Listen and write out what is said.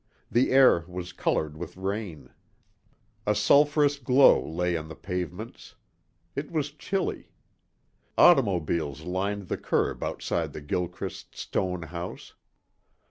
The air was colored with rain. A sulphurous glow lay on the pavements. It was chilly. Automobiles lined the curb outside the Gilchrist stone house.